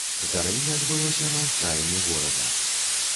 Здарэнне адбылося на ўскраіне горада.